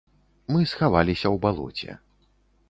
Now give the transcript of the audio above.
Мы схаваліся ў балоце.